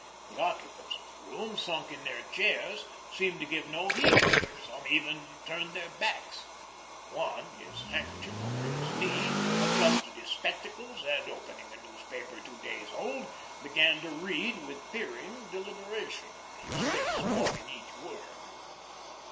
The occupants of the room, sunk in their chairs, seemed to give no heed; some even turned their backs; one, his handkerchief over his knee, adjusted his spectacles, and opening a newspaper two days old, began to read with peering deliberation, his lips forming each word.